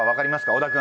小田君。